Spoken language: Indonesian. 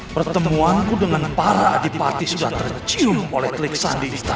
pertemuanku dengan para adipati sudah tercium oleh telik sandi di tanah